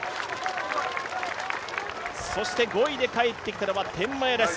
５位で帰ってきたのは天満屋です。